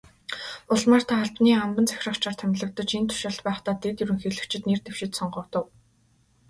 Улмаар та Албанийн амбан захирагчаар томилогдож, энэ тушаалд байхдаа дэд ерөнхийлөгчид нэр дэвшиж, сонгогдов.